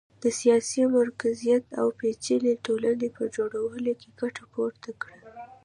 د سیاسي مرکزیت او پېچلې ټولنې په جوړولو کې ګټه پورته کړي